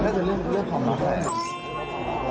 ก็จะเเลี่ยวความรัก